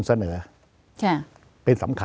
จะพิจารณาคม